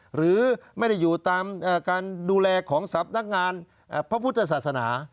หรือไม่ได้อยู่ตามการดูแลของสำนักงานพระพุทธศาสนา